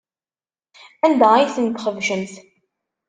Anda ay tent-txebcemt?